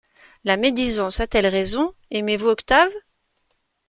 La médisance a-t-elle raison, aimez-vous Octave?